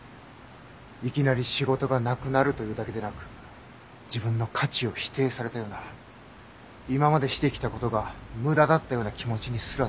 いきなり仕事がなくなるというだけでなく自分の価値を否定されたような今までしてきたことが無駄だったような気持ちにすらなる。